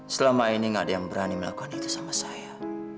selama ini gak ada yang berani melakukan itu sama saya